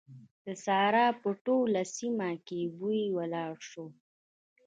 د سارا په ټوله سيمه کې بوی ولاړ شو.